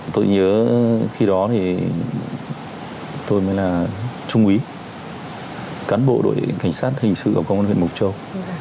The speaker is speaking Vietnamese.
tôi nhớ khi đó thì tôi mới là trung úy cán bộ đội cảnh sát hình sự của công an huyện mộc châu